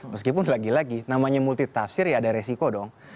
meskipun lagi lagi namanya multitafsir ya ada resiko dong